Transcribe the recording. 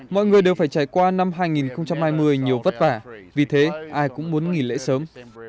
mọi người đều phải trải qua năm hai nghìn hai mươi nhiều vất vả vì thế ai cũng muốn nghỉ lễ sớm